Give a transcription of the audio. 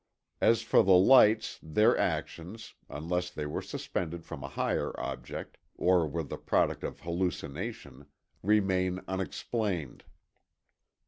As for the lights, their actions—unless they were suspended from a higher object or were the product of hallucination—remain unexplained.